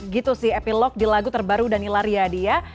gitu sih epilog di lagu terbaru danila riyadi ya